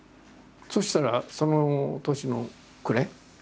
そしたらその年の暮れ。